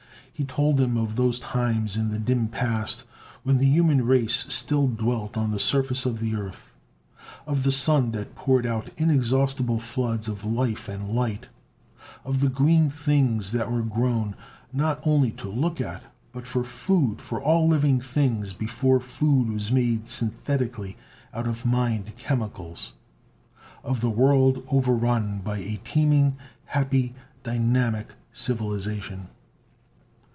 He told them of those times in the dim past when the human race still dwelt on the surface of the earth. Of the Sun that poured out inexhaustible floods of life and light; of the green things that were grown, not only to look at, but for food for all living things before food was made synthetically out of mined chemicals. Of the world overrun by a teeming, happy, dynamic civilization.